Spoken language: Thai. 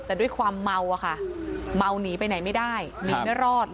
แต่ด้วยความเมาอะค่ะเมาหนีไปไหนไม่ได้หนีไม่รอด